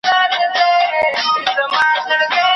څاڅکی ومه ورک سوم پیمانې را پسي مه ګوره